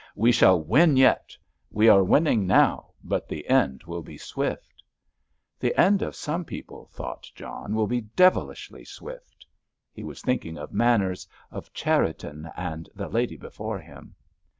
"We shall win yet! We are winning now, but the end will be swift!" "The end of some people," thought John, "will be devilishly swift!" He was thinking of Manners, of Cherriton, and of the lady before him.